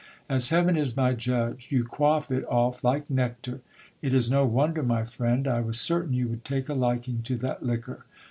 As heaven is my judge ! you quaff it off like nectar. It is no wonder, my friend, I was certain you would take a liking to that liquor.